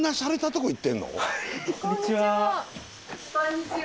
こんにちは。